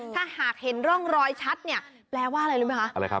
ถ้าหากเห็นร่องรอยชัดเนี่ยแปลว่าอะไรรู้ไหมคะ